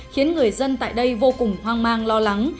khiến người dân tại đây vô cùng hoang mang lo lắng